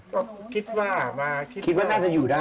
ก็คิดว่ามาคิดว่าน่าจะอยู่ได้